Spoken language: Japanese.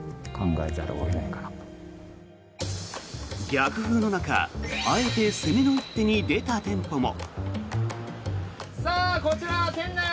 逆風の中あえて攻めの一手に出た店舗も。